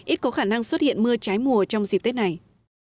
ít có khả năng xuất hiện mưa trái mùa trong dịp tết này